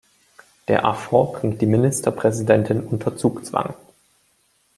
Der Affront bringt die Ministerpräsidentin unter Zugzwang.